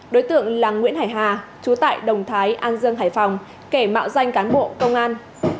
đối tượng là nguyễn hải hà chú tại đồng thái an dương hải phòng kể mạo danh cán bộ công an